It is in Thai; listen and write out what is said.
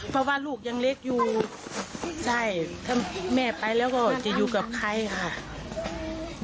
เพราะว่าลูกยังเล็กอยู่ใช่ถ้าแม่ไปแล้วก็จะอยู่กับใครค่ะ